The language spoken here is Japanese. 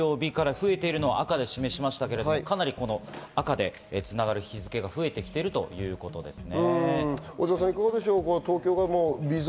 前週から増えているのは赤で示しましたが、かなり赤でつながる日付が増えているということですね。